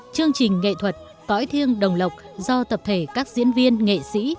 chương trình nghệ thuật cõi thiêng đồng lộc do tập thể các diễn viên nghệ sĩ